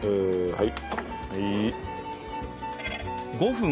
はい。